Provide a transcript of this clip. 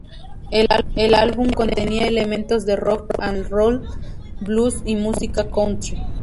El álbum contenía elementos de rock and roll, blues y música country.